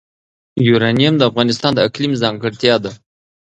یورانیم د افغانستان د اقلیم ځانګړتیا ده.